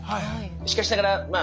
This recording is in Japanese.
しかしながらまあ